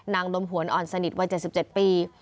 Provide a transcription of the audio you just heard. ลมหวนอ่อนสนิทวัย๗๗ปี